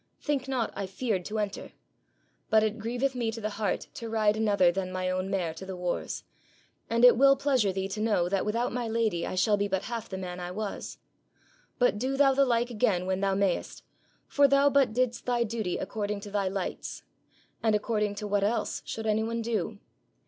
Think not I feared to enter. But it grieveth me to the Heart to ride another than my own Mare to the Wars, and it will pleasure thee to know that without my Lady I shall be but Half the Man I was. But do thou the Like again when thou mayest, for thou but didst thy Duty according to thy Lights; and according to what else should any one do?